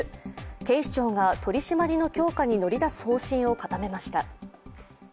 警視庁が取締りの強化に乗り出す方針を固めました。